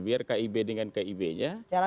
biar kib dengan kib nya